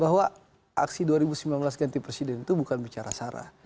bahwa aksi dua ribu sembilan belas ganti presiden itu bukan bicara sarah